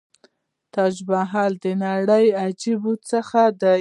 تاج محل د نړۍ له عجایبو څخه دی.